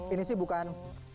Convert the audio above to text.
ini sih bukan